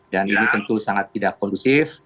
dan ini tentu sangat tidak kondusif